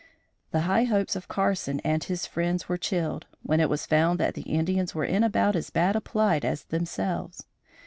The high hopes of Carson and his friends were chilled when it was found that the Indians were in about as bad a plight as themselves.